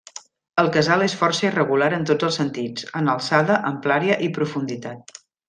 El casal és força irregular en tots els sentits: en alçada, amplària i profunditat.